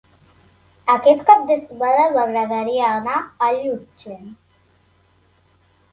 Aquest cap de setmana m'agradaria anar a Llutxent.